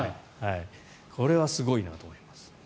これはすごいなと思います。